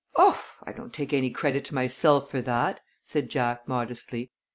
"Oh, I don't take any credit to myself for that," said Jack, modestly.